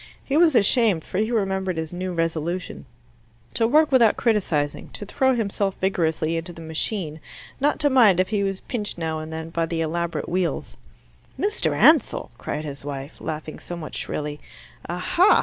He was ashamed, for he remembered his new resolution to work without criticizing, to throw himself vigorously into the machine, not to mind if he was pinched now and then by the elaborate wheels. "Mr. Ansell!" cried his wife, laughing somewhat shrilly. "Aha!